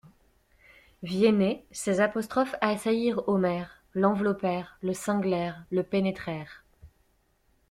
Viennet, ces apostrophes assaillirent Omer, l'enveloppèrent, le cinglèrent, le pénétrèrent.